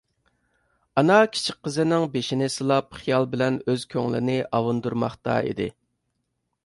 ئانا كىچىك قىزىنىڭ بېشىنى سىلاپ خىيال بىلەن ئۆز كۆڭلىنى ئاۋۇندۇرماقتا ئىدى.